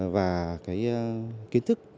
và cái kiến thức